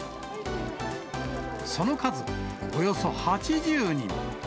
その数、およそ８０人。